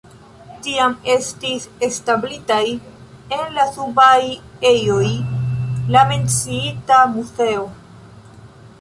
Tiam estis establitaj en la subaj ejoj la menciita muzeo.